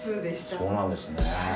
そうなんですね。